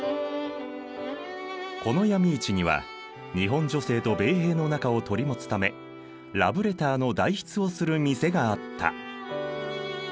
この闇市には日本女性と米兵の仲を取り持つためラブレターの代筆をする店があった。